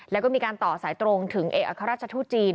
แล้วก็มีการต่อสายตรงถึงเอกอัครราชทูตจีน